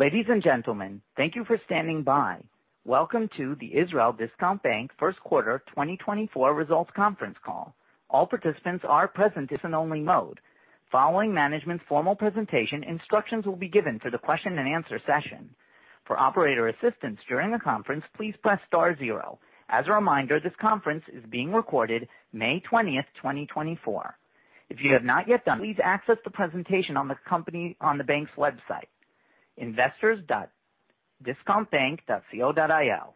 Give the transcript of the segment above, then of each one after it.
Ladies and gentlemen, thank you for standing by. Welcome to the Israel Discount Bank first quarter 2024 results conference call. All participants are present in listen-only mode. Following management's formal presentation, instructions will be given for the question and answer session. For operator assistance during the conference, please press star zero. As a reminder, this conference is being recorded May 20th, 2024. If you have not yet done, please access the presentation on the company... on the bank's website, investors.discountbank.co.il.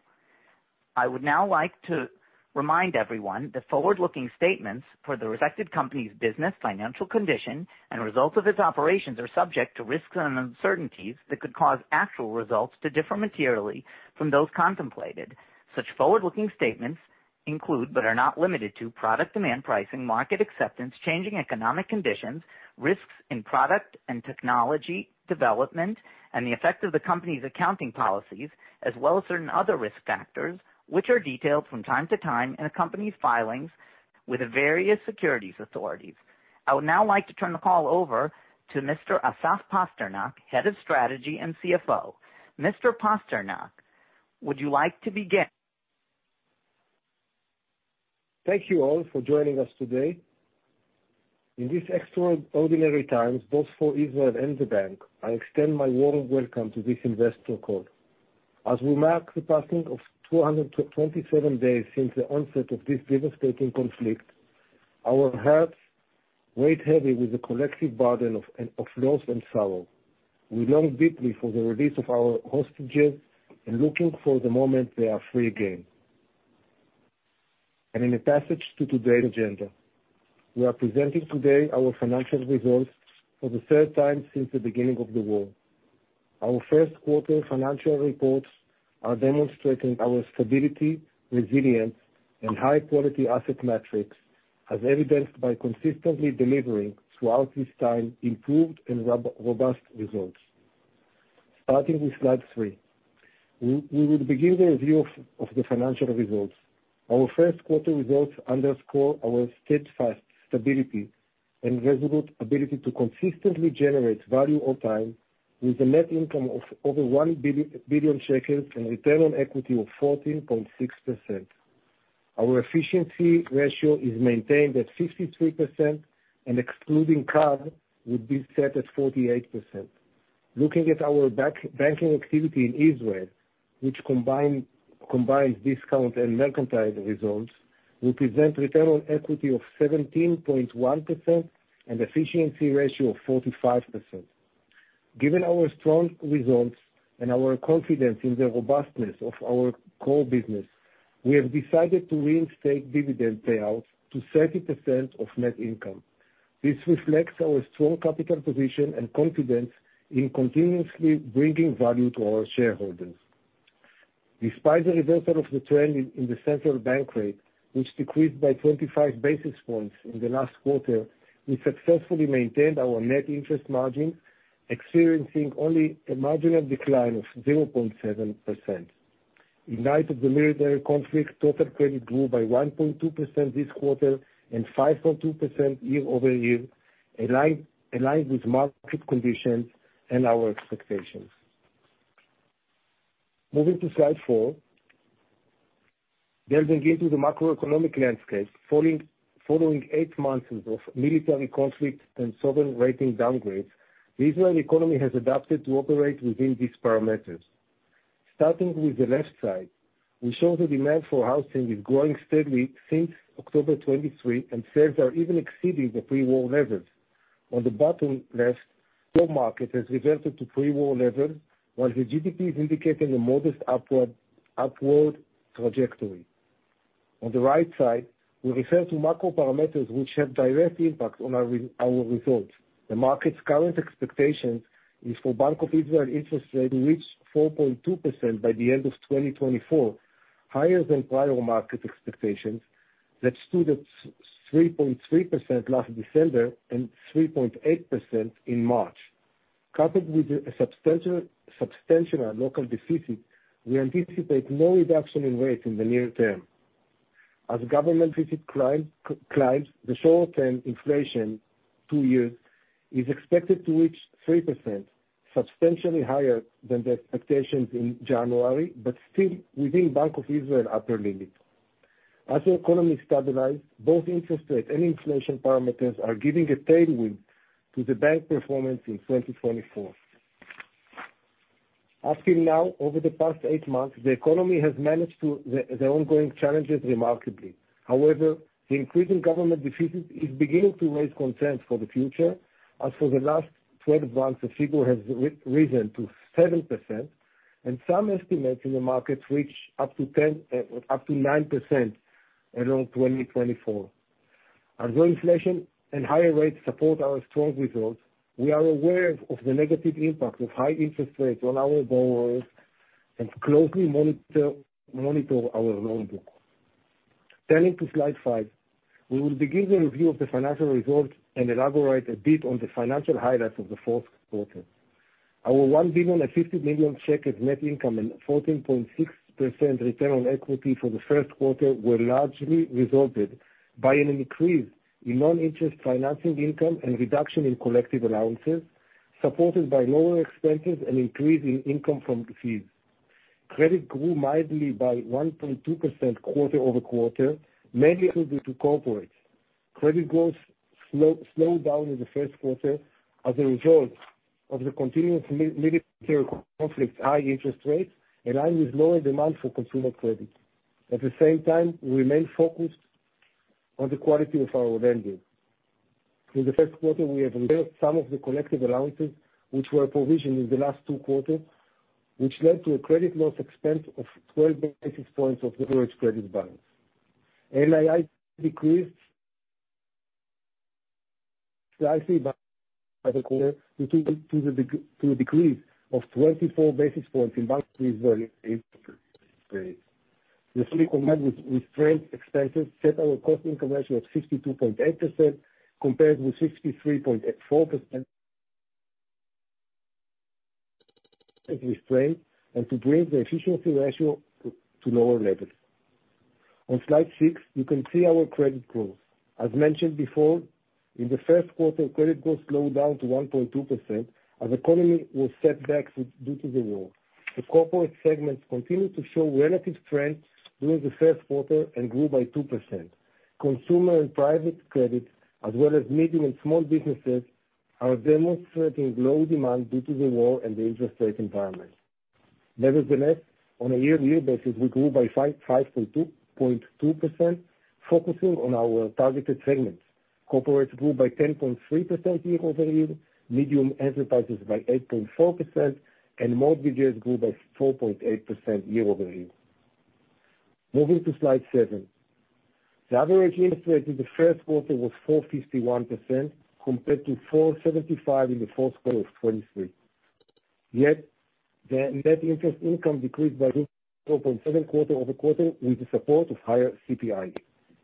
I would now like to remind everyone that forward-looking statements for the respective company's business, financial condition, and results of its operations are subject to risks and uncertainties that could cause actual results to differ materially from those contemplated. Such forward-looking statements include, but are not limited to, product demand pricing, market acceptance, changing economic conditions, risks in product and technology development, and the effect of the company's accounting policies, as well as certain other risk factors, which are detailed from time to time in a company's filings with the various securities authorities. I would now like to turn the call over to Mr. Asaf Pasternak, Head of Strategy and CFO. Mr. Pasternak, would you like to begin? Thank you all for joining us today. In these extraordinary times, both for Israel and the bank, I extend my warm welcome to this investor call. As we mark the passing of 227 days since the onset of this devastating conflict, our hearts weigh heavy with the collective burden of loss and sorrow. We long deeply for the release of our hostages and looking for the moment they are free again. In a passage to today's agenda, we are presenting today our financial results for the third time since the beginning of the war. Our first quarter financial reports are demonstrating our stability, resilience, and high-quality asset metrics, as evidenced by consistently delivering throughout this time, improved and robust results. Starting with slide three, we will begin the review of the financial results. Our first quarter results underscore our steadfast stability and resolute ability to consistently generate value over time, with a net income of over 1 billion shekels and return on equity of 14.6%. Our efficiency ratio is maintained at 53%, and excluding card, would be set at 48%. Looking at our banking activity in Israel, which combines Discount and Leumi results, we present return on equity of 17.1% and efficiency ratio of 45%. Given our strong results and our confidence in the robustness of our core business, we have decided to reinstate dividend payouts to 30% of net income. This reflects our strong capital position and confidence in continuously bringing value to our shareholders. Despite the reversal of the trend in the central bank rate, which decreased by 25 basis points in the last quarter, we successfully maintained our net interest margin, experiencing only a marginal decline of 0.7%. In light of the military conflict, total credit grew by 1.2% this quarter and 5.2% year-over-year, aligned with market conditions and our expectations. Moving to slide four, delving into the macroeconomic landscape, following eight months of military conflict and sovereign rating downgrades, the Israeli economy has adapted to operate within these parameters. Starting with the left side, we show the demand for housing is growing steadily since October 2023, and sales are even exceeding the pre-war levels. On the bottom left, home market has reverted to pre-war level, while the GDP is indicating a modest upward trajectory. On the right side, we refer to macro parameters, which have direct impact on our our results. The market's current expectations is for Bank of Israel interest rate to reach 4.2% by the end of 2024, higher than prior market expectations, that stood at three point 3.3% last December and 3.8% in March. Coupled with a substantial, substantial local deficit, we anticipate no reduction in rates in the near term. As government deficit climbs, the short-term inflation, two years, is expected to reach 3%, substantially higher than the expectations in January, but still within Bank of Israel upper limit. As the economy stabilize, both interest rate and inflation parameters are giving a tailwind to the bank performance in 2024. Up till now, over the past eight months, the economy has managed to... the ongoing challenges remarkably. However, the increasing government deficit is beginning to raise concerns for the future. As for the last twelve months, the figure has risen to 7%, and some estimates in the market reach up to 10%, up to 9% around 2024. Although inflation and higher rates support our strong results, we are aware of the negative impact of high interest rates on our borrowers and closely monitor our loan book. Turning to slide five, we will begin the review of the financial results and elaborate a bit on the financial highlights of the fourth quarter. Our 1.05 billion net income and 14.6% return on equity for the first quarter were largely resulted by an increase in non-interest financing income and reduction in collective allowances, supported by lower expenses and increase in income from fees. Credit grew mildly by 1.2% quarter-over-quarter, mainly due to corporate. Credit growth slow, slowed down in the first quarter as a result of the continuous military conflict, high interest rates, aligned with lower demand for consumer credit. At the same time, we remain focused on the quality of our lending. In the first quarter, we have raised some of the collective allowances, which were provisioned in the last two quarters, which led to a credit loss expense of 12 basis points of average credit balance. NII decreased slightly by the quarter, due to a decrease of 24 basis points in Bank of Israel. This combined with trade expenses set our cost-to-income ratio at 62.8%, compared with 63.4% as we strive, and to bring the efficiency ratio to lower levels. On slide 6, you can see our credit growth. As mentioned before, in the first quarter, credit growth slowed down to 1.2%, as the economy was set back due to the war. The corporate segments continued to show relative strength during the first quarter and grew by 2%. Consumer and private credit, as well as medium and small businesses, are demonstrating low demand due to the war and the interest rate environment. Nevertheless, on a year-on-year basis, we grew by 5.2%, focusing on our targeted segments. Corporate grew by 10.3% year-over-year, medium enterprises by 8.4%, and mortgages grew by 4.8% year-over-year. Moving to slide seven. The average interest rate in the first quarter was 4.51%, compared to 4.75% in the fourth quarter of 2023. Yet, the net interest income decreased by 0.7% quarter-over-quarter with the support of higher CPI.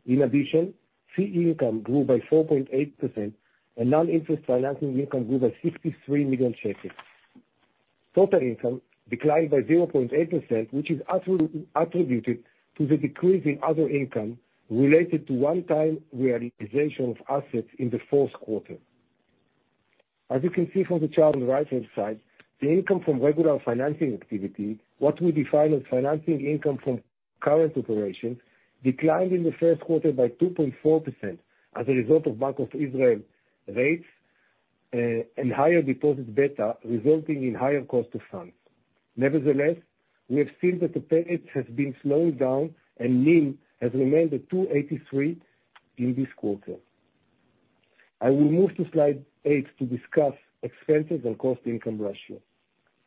In addition, fee income grew by 4.8%, and non-interest financing income grew by 63 million shekels. Total income declined by 0.8%, which is attributed to the decrease in other income related to one-time realization of assets in the fourth quarter. As you can see from the chart on the right-hand side, the income from regular financing activity, what we define as financing income from current operations, declined in the first quarter by 2.4% as a result of Bank of Israel rates, and higher deposit beta, resulting in higher cost of funds. Nevertheless, we have seen that the pace has been slowing down, and NIM has remained at 2.83 in this quarter. I will move to slide eight to discuss expenses and cost income ratio.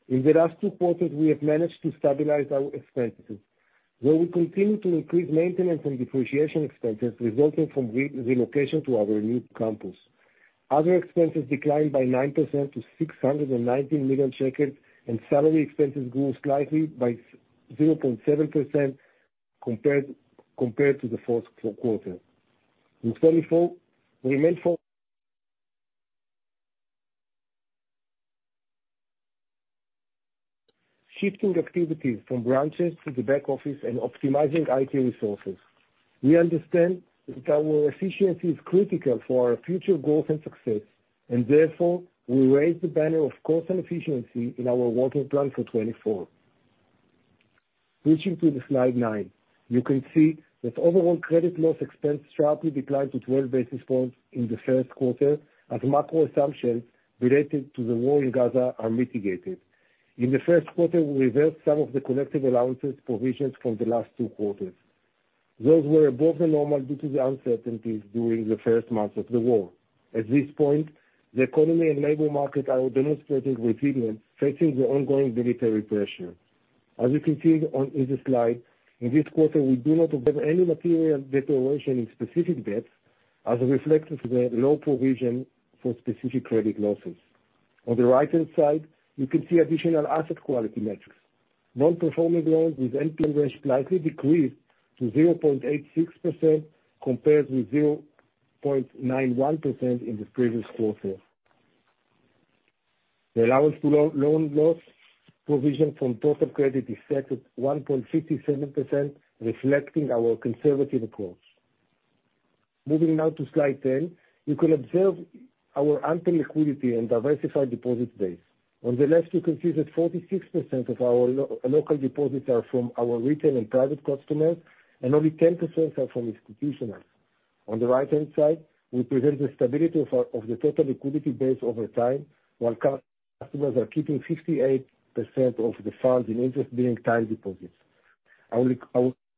In the last two quarters, we have managed to stabilize our expenses, where we continue to increase maintenance and depreciation expenses resulting from relocation to our new campus. Other expenses declined by 9% to 619 million shekels, and salary expenses grew slightly by 0.7% compared to the fourth quarter. In 2024, shifting activities from branches to the back office and optimizing IT resources. We understand that our efficiency is critical for our future growth and success, and therefore, we raise the banner of cost and efficiency in our working plan for 2024. Reaching to the slide nine, you can see that overall credit loss expense sharply declined to 12 basis points in the first quarter, as macro assumptions related to the war in Gaza are mitigated. In the first quarter, we reversed some of the collective allowances provisions from the last two quarters. Those were above the normal due to the uncertainties during the first months of the war. At this point, the economy and labor market are demonstrating resilience, facing the ongoing military pressure. As you can see on, in the slide, in this quarter, we do not observe any material deterioration in specific debts, as reflected the low provision for specific credit losses. On the right-hand side, you can see additional asset quality metrics. Non-performing loans with NPL ratio slightly decreased to 0.86%, compared with 0.91% in the previous quarter. The allowance to loan loss provision from total credit is set at 1.57%, reflecting our conservative approach. Moving now to slide 10. You can observe our ample liquidity and diversified deposit base. On the left, you can see that 46% of our local deposits are from our retail and private customers, and only 10% are from institutionals. On the right-hand side, we present the stability of our total liquidity base over time, while customers are keeping 58% of the funds in interest-bearing time deposits. Our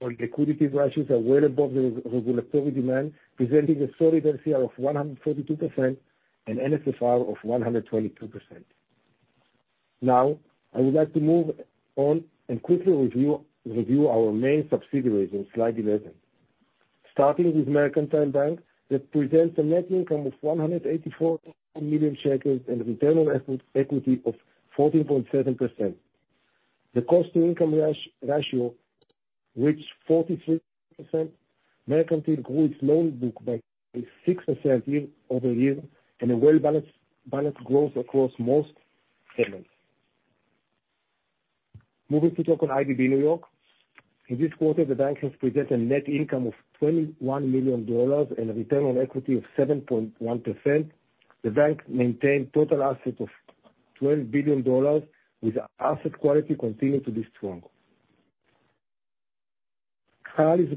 liquidity ratios are well above the regulatory demand, presenting an LCR of 142% and NSFR of 122%. Now, I would like to move on and quickly review our main subsidiaries on slide 11. Starting with Mercantile Bank, that presents a net income of 184 million shekels and return on equity of 14.7%. The cost to income ratio reached 43%. Mercantile grew its loan book by 6% year-over-year, and a well-balanced growth across most segments. Moving to talk on IDB New York. In this quarter, the bank has presented net income of $21 million and a return on equity of 7.1%. The bank maintained total assets of $12 billion, with asset quality continuing to be strong. Cal is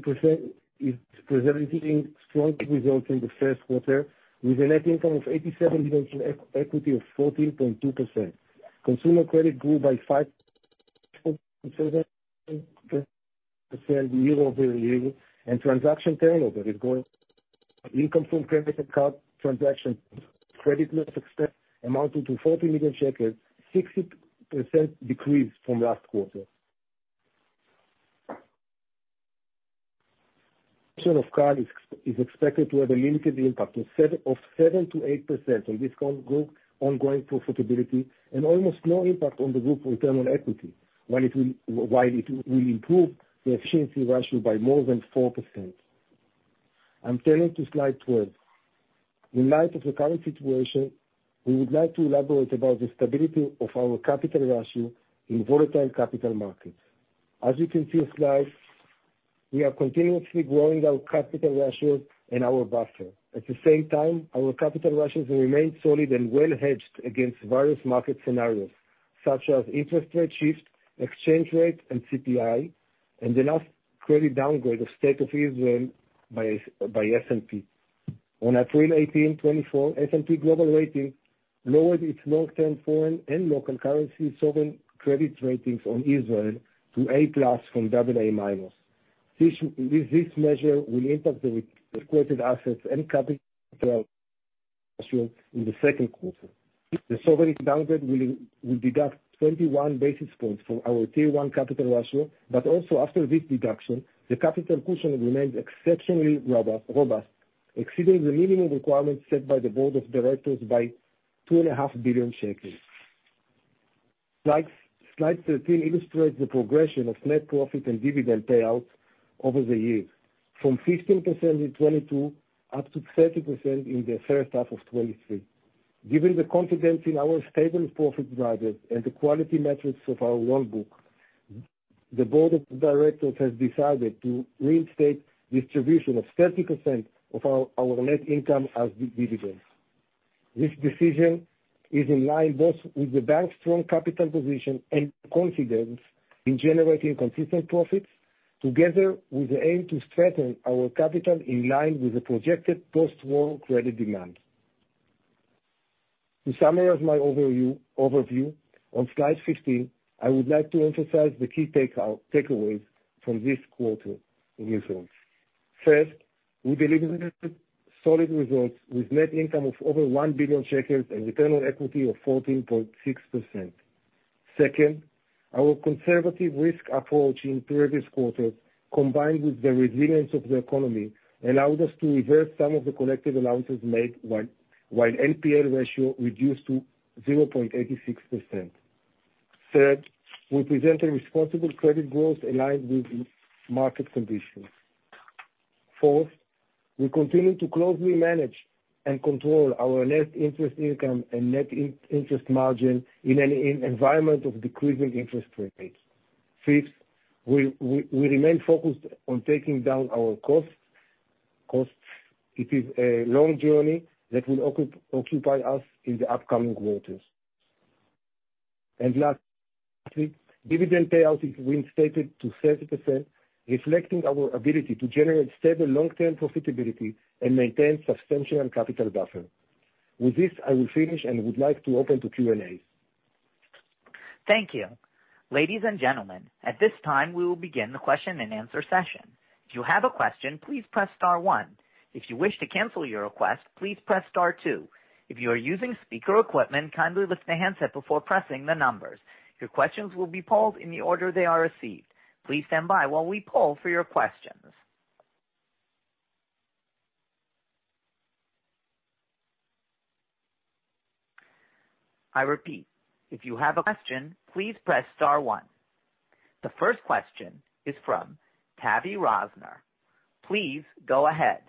presenting strong results in the first quarter, with a net income of 87 million, ROE of 14.2%. Consumer credit grew by 5% year-over-year, and transaction turnover is going. Income from credit card transactions, credit loss expense amounting to 40 million shekels, 60% decrease from last quarter. ICC is expected to have a limited impact of 7%-8% on discount group ongoing profitability, and almost no impact on the group return on equity, while it will improve the efficiency ratio by more than 4%. I'm turning to slide 12. In light of the current situation, we would like to elaborate about the stability of our capital ratio in volatile capital markets. As you can see on slide, we are continuously growing our capital ratios and our buffer. At the same time, our capital ratios remain solid and well hedged against various market scenarios, such as interest rate shifts, exchange rate and CPI, and the last credit downgrade of State of Israel by S&P. On April 18th, 2024, S&P Global Ratings lowered its long-term foreign and local currency sovereign credit ratings on Israel to A+ from AA-. This measure will impact the risk-weighted assets and capital ratio in the second quarter. The sovereign downgrade will deduct 21 basis points from our Tier 1 capital ratio, but also after this deduction, the capital cushion remains exceptionally robust, exceeding the minimum requirements set by the board of directors by 2.5 billion shekels. Slide 13 illustrates the progression of net profit and dividend payouts over the years, from 15% in 2022 up to 30% in the first half of 2023. Given the confidence in our stable profit drivers and the quality metrics of our loan book, the board of directors has decided to reinstate distribution of 30% of our net income as dividends. This decision is in line both with the bank's strong capital position and confidence in generating consistent profits, together with the aim to strengthen our capital in line with the projected post-war credit demand. To summarize my overview on slide 15, I would like to emphasize the key takeaways from this quarter's results. First, we delivered solid results with net income of over 1 billion shekels and return on equity of 14.6%. Second, our conservative risk approach in previous quarters, combined with the resilience of the economy, allowed us to reverse some of the collective allowances made, while NPL ratio reduced to 0.86%. Third, we present a responsible credit growth aligned with market conditions. Fourth, we continue to closely manage and control our net interest income and net interest margin in an environment of decreasing interest rates. Fifth, we remain focused on taking down our costs. It is a long journey that will occupy us in the upcoming quarters. Lastly, dividend payout is reinstated to 30%, reflecting our ability to generate stable long-term profitability and maintain substantial capital buffer. With this, I will finish and would like to open to Q&A. Thank you. Ladies and gentlemen, at this time, we will begin the question-and-answer session. If you have a question, please press star one. If you wish to cancel your request, please press star two. If you are using speaker equipment, kindly lift the handset before pressing the numbers. Your questions will be polled in the order they are received. Please stand by while we poll for your questions. I repeat, if you have a question, please press star one. The first question is from Tovia Rosner. Please go ahead.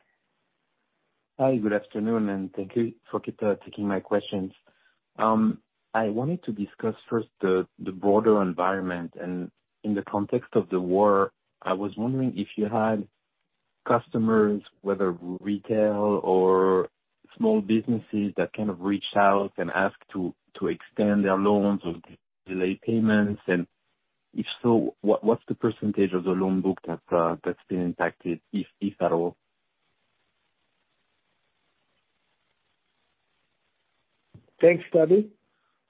Hi, good afternoon, and thank you for taking my questions. I wanted to discuss first the broader environment. And in the context of the war, I was wondering if you had customers, whether retail or small businesses, that kind of reached out and asked to extend their loans or delay payments? And if so, what's the percentage of the loan book that's been impacted, if at all? Thanks, Tavi.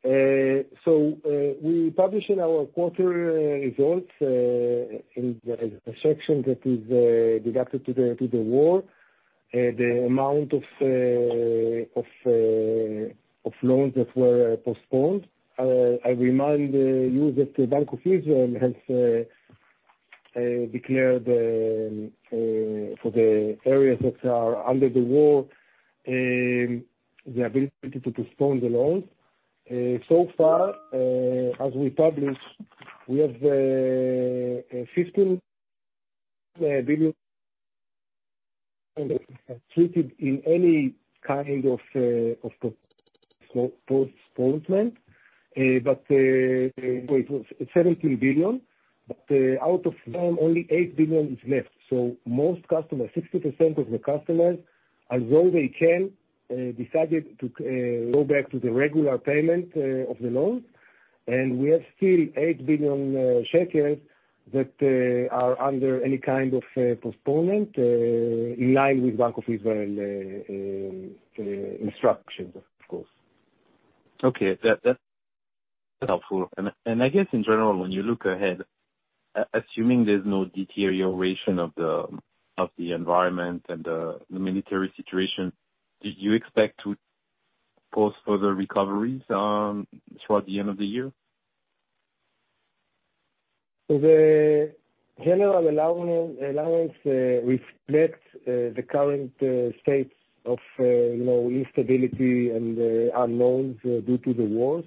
So, we published in our quarterly results, in the section that is dedicated to the war, the amount of loans that were postponed. I remind you that the Bank of Israel has declared for the areas that are under the war the ability to postpone the loans. So far, as we published, we have 15 billion treated in any kind of postponement, but it was 17 billion, but out of them, only 8 billion is left. So most customers, 60% of the customers, as well they can decided to go back to the regular payment of the loan. We have still 8 billion shekels that are under any kind of postponement in line with Bank of Israel instruction, of course. Okay. That's helpful. And I guess in general, when you look ahead, assuming there's no deterioration of the environment and the military situation, do you expect to post further recoveries throughout the end of the year? So the general allowance reflects the current state of, you know, instability and unknowns due to the wars,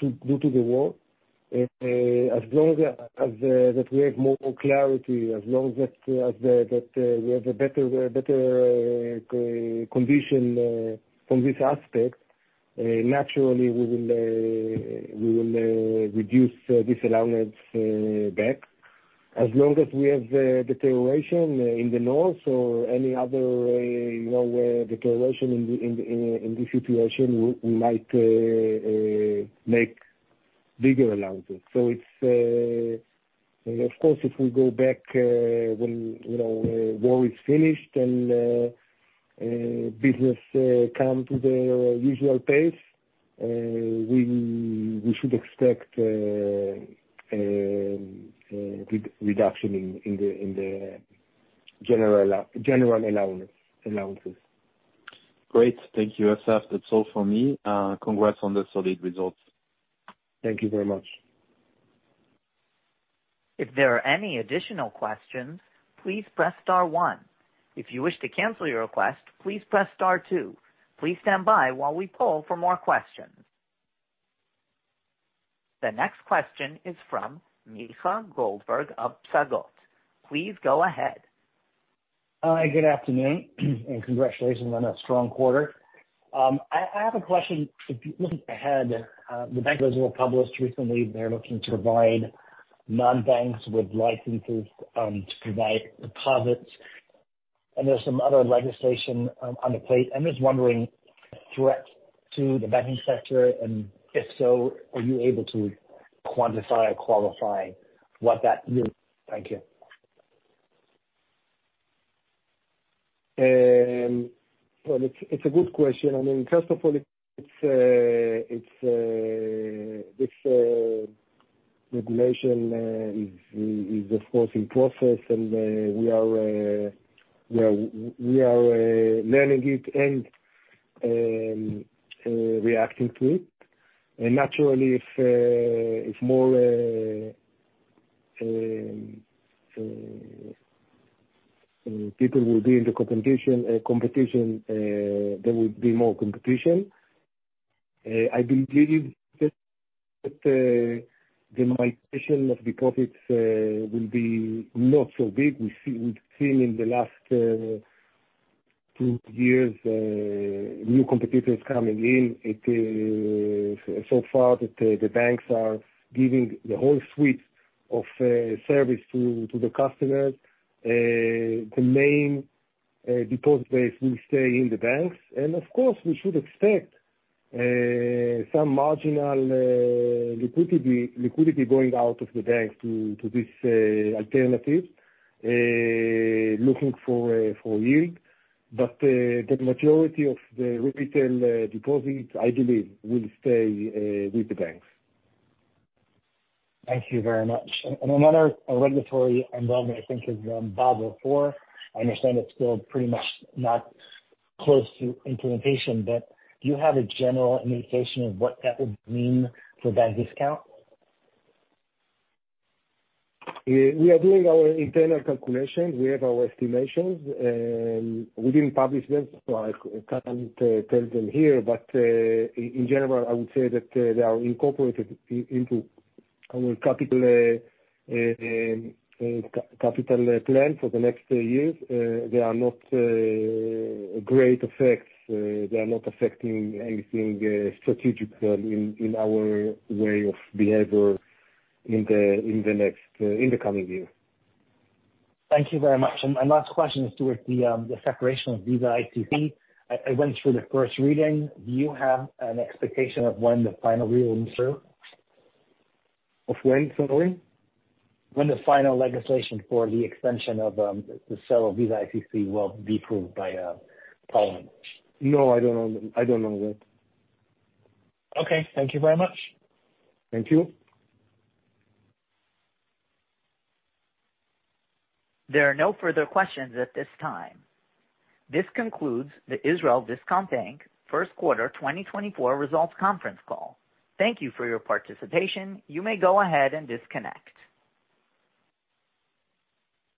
due to the war. As long as we have more clarity, as long as we have a better condition from this aspect, naturally we will reduce this allowance back. As long as we have deterioration in the north or any other, you know, deterioration in the situation, we might make bigger allowances. So it's... Of course, if we go back when, you know, war is finished and business come to the usual pace, we should expect reduction in the general allowances. Great. Thank you, Assaf. That's all for me, congrats on the solid results. Thank you very much. If there are any additional questions, please press star one. If you wish to cancel your request, please press star two. Please stand by while we poll for more questions. The next question is from Micha Goldberg of Psagot. Please go ahead. Good afternoon, and congratulations on a strong quarter. I have a question. Looking ahead, the Bank of Israel published recently, they're looking to provide non-banks with licenses to provide deposits, and there's some other legislation on the plate. I'm just wondering, a threat to the banking sector, and if so, are you able to quantify or qualify what that means? Thank you. Well, it's a good question. I mean, first of all, it's this regulation is, of course, in process, and we are learning it and reacting to it. And naturally, if more people will be in the competition, there will be more competition. I believe that the migration of deposits will be not so big. We've seen in the last two years new competitors coming in. So far, the banks are giving the whole suite of service to the customers. The main deposit base will stay in the banks. Of course, we should expect some marginal liquidity going out of the banks to this alternative looking for yield. But the majority of the retail deposits, I believe, will stay with the banks. Thank you very much. And another regulatory environment, I think, is Basel IV. I understand it's still pretty much not close to implementation, but do you have a general indication of what that would mean for that discount? We are doing our internal calculations. We have our estimations, we didn't publish them, so I can't tell them here. But, in general, I would say that they are incorporated into our capital plan for the next years. They are not great effects, they are not affecting anything strategically in our way of behavior in the coming years. Thank you very much. And my last question is towards the separation of Visa ICC. I went through the first reading. Do you have an expectation of when the final reading will occur? Of when, sorry? When the final legislation for the extension of the sale of Visa ICC will be approved by parliament? No, I don't know. I don't know that. Okay. Thank you very much. Thank you. There are no further questions at this time. This concludes the Israel Discount Bank First Quarter 2024 Results Conference Call. Thank you for your participation. You may go ahead and disconnect.